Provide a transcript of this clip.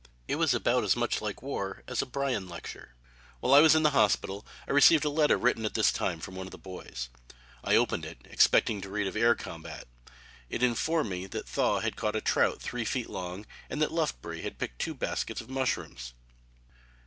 It was about as much like war as a Bryan lecture. While I was in the hospital I received a letter written at this time from one of the boys. I opened it expecting to read of an air combat. It informed me that Thaw had caught a trout three feet long, and that Lufbery had picked two baskets of mushrooms.